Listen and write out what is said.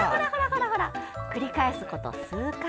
繰り返すこと数回。